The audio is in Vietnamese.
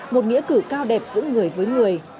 một nghĩa cử cao đẹp giữa người với người